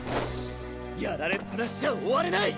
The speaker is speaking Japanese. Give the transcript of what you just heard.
やられっぱなしじゃ終われない！